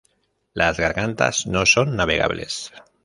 Las gargantas no son navegables.